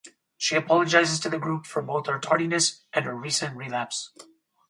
She apologizes to the group for both her tardiness and her recent relapse.